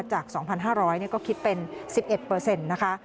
จาก๒๕๐๐ก็คิดเป็น๑๑นะคะ